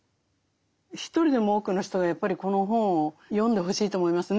一人でも多くの人がやっぱりこの本を読んでほしいと思いますね。